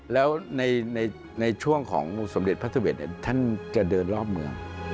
แล้วในช่วงของสมเด็จพระสเวทท่านจะเดินรอบเมือง